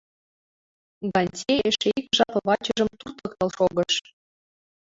Гантье эше ик жап вачыжым туртыктыл шогыш.